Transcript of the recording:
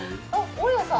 大家さん？